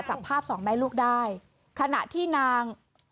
จับภาพสองแม่ลูกได้ขณะที่นาง